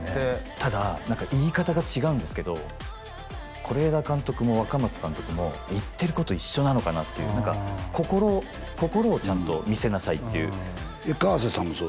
ただ言い方が違うんですけど是枝監督も若松監督も言ってること一緒なのかなっていう心をちゃんと見せなさいっていう河さんもそう？